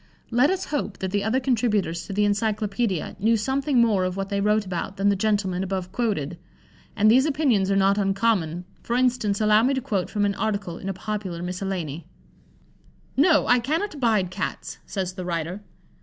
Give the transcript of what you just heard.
Let us hope that the other contributors to the Encyclopædia knew something more of what they wrote about than the gentleman above quoted. And these opinions are not uncommon; for instance, allow me to quote from an article in a popular miscellany: "No! I cannot abide Cats," says the writer.